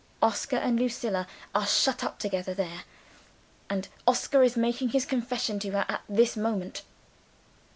"Oscar and Lucilla are shut up together there. And Oscar is making his confession to her at this moment!"